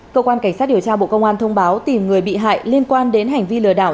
cơ quan cảnh sát điều tra bộ công an thông báo tìm người bị hại liên quan đến hành vi lừa đảo